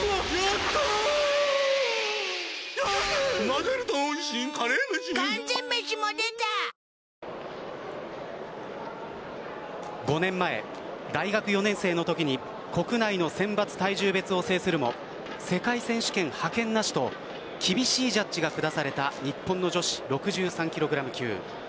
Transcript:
混ぜると美味しい『カレーメシ』５年前、大学４年生のときに国内の選抜体重別を制するも世界選手権派遣なしと厳しいジャッジが下された日本の女子６３ｋｇ級。